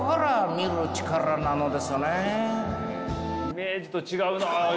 イメージと違うなあ